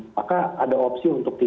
maka ada opsi untuk